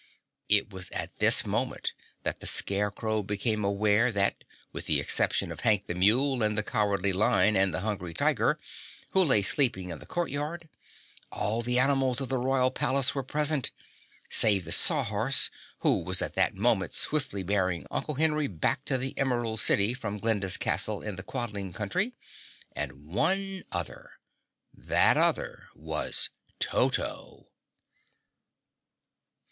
It was at this moment that the Scarecrow became aware that with the exceptions of Hank the Mule and the Cowardly Lion and the Hungry Tiger, who lay sleeping in the court yard, all the animals of the Royal Palace were present save the Sawhorse, who was at that moment swiftly bearing Uncle Henry back to the Emerald City from Glinda's Castle in the Quadling Country and one other. That other was Toto!